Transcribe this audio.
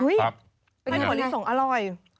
อุ๊ยเป็นถั่วลิสงอร่อย